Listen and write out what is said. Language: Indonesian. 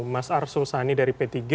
mas arsul sani dari p tiga